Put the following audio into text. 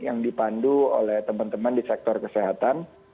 yang dipandu oleh teman teman di sektor kesehatan